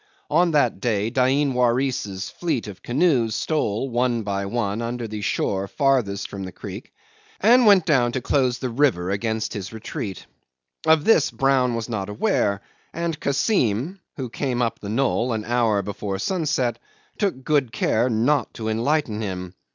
On that day Dain Waris's fleet of canoes stole one by one under the shore farthest from the creek, and went down to close the river against his retreat. Of this Brown was not aware, and Kassim, who came up the knoll an hour before sunset, took good care not to enlighten him.